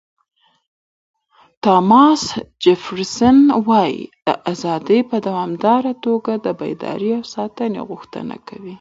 تاماس جفرسن وایي چې ازادي په دوامداره توګه د بیدارۍ او ساتنې غوښتنه کوي.